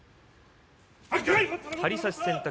張り差し選択。